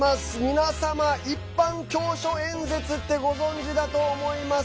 皆様、一般教書演説ってご存じだと思います。